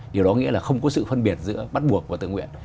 điều đó nghĩa là không có sự phân biệt giữa bắt buộc và tự nguyện